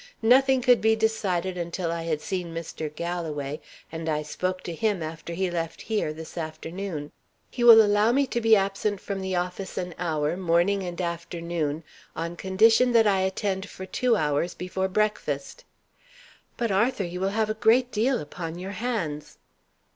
Nothing could be decided until I had seen Mr. Galloway, and I spoke to him after he left here, this afternoon. He will allow me to be absent from the office an hour, morning and afternoon, on condition that I attend for two hours before breakfast." "But, Arthur, you will have a great deal upon your hands."